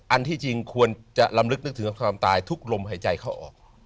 อันที่จริงควรจะลำลึกนึกถึงความตายทุกลมหายใจเข้าออก